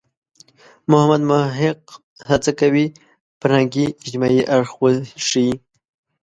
محمد محق هڅه کوي فرهنګي – اجتماعي اړخ وښيي.